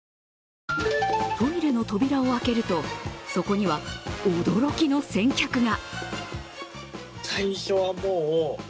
トイレの扉を開けると、そこには驚きの先客が。